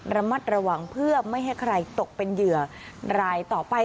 ระมัดระวังเพื่อไม่ให้ใครตกเป็นเหยื่อรายต่อไป